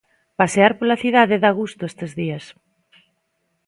Pasear pola cidade dá gusto estes días.